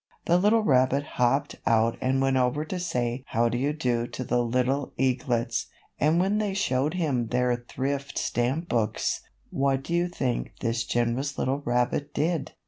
The little rabbit hopped out and went over to say how do you do to the little eaglets, and when they showed him their Thrift Stamp Books, what do you think this generous little rabbit did?